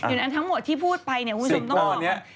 อยู่ในอันทั้งหมดที่พูดไปเนี่ยคุณสมต้องรู้หรือเปล่า